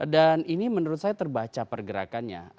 dan ini menurut saya terbaca pergerakannya